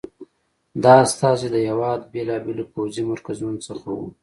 دا استازي د هېواد بېلابېلو پوځي مرکزونو څخه وو.